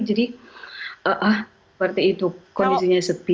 jadi seperti itu kondisinya sepi